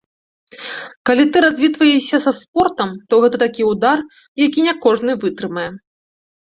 Калі ты развітваешся са спортам, то гэта такі ўдар, які не кожны вытрымае.